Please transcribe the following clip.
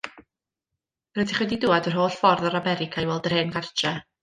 Rydych wedi dŵad yr holl ffordd o'r America i weld yr hen gartre?